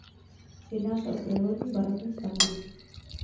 Jedná se o trojlodní barokní stavbu.